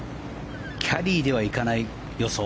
キャリーではいかない予想？